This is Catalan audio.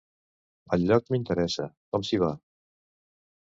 El lloc m'interessa: com s'hi va?